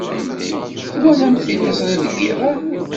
Twalamt tiliẓri deg yiḍ-a?